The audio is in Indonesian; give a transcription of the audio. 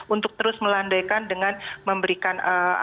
untuk terus melandaikan dengan memberikan